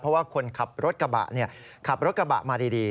เพราะว่าคนขับรถกระบะขับรถกระบะมาดี